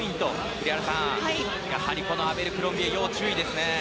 栗原さん、やはりアベルクロンビエに要注意ですね。